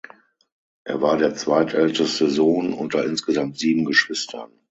Er war der zweitälteste Sohn unter insgesamt sieben Geschwistern.